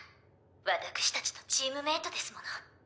私たちのチームメイトですもの。